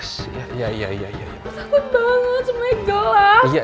sakit banget semuanya gelap